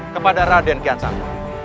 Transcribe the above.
kepada raden kian sampo